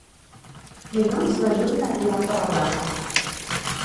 Dilluns na Júlia anirà a Torreblanca.